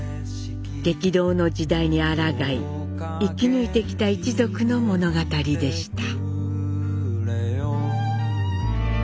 激動の時代にあらがい生き抜いてきた一族の物語でした。